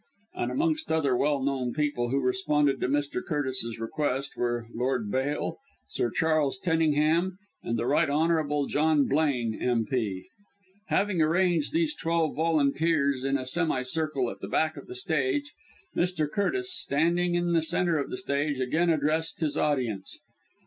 And amongst other well known people who responded to Mr. Curtis's request, were Lord Bayle, Sir Charles Tenningham and the Right Hon. John Blaine, M.P. Having arranged these twelve volunteers in a semi circle at the back of the stage, Mr. Curtis, standing in the centre of the stage, again addressed his audience.